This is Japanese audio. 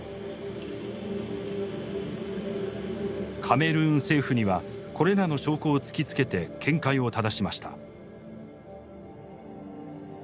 カメルーン政府にはこれらの証拠を突きつけて見解をただしました。